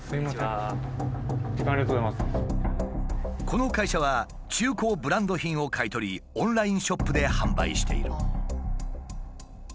この会社は中古ブランド品を買い取りオンラインショップで販売している。